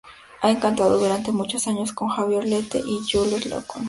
Ha cantado durante muchos años con Xabier Lete y con Julen Lekuona.